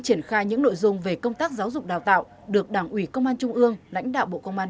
triển khai những nội dung về công tác giáo dục đào tạo được đảng ủy công an trung ương lãnh đạo bộ công an